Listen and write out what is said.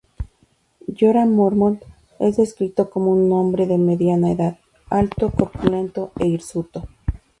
Jorah Mormont es descrito como un hombre de mediana edad, alto, corpulento e hirsuto.